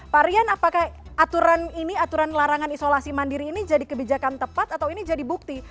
pak rian apakah aturan ini aturan larangan isolasi mandiri ini jadi kebijakan tepat atau ini jadi bukti